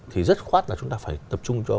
thì rất khoát là chúng ta phải tập trung cho